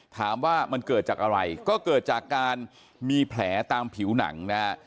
ถามว่ามันเกิดจากอะไรก็เกิดจากการมีแผลตามผิวหนังนะฮะ